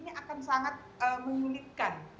ini akan sangat menyulitkan